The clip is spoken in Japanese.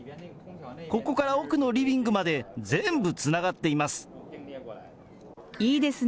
ここから奥のリビングまで、全部つながっています。